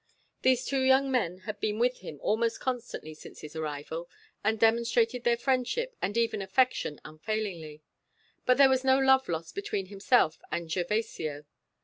These two young men had been with him almost constantly since his arrival, and demonstrated their friendship and even affection unfailingly; but there was no love lost between himself and Gervasio.